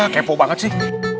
kepo banget sih